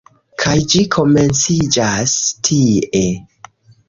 Kaj ĝi komenciĝas tie.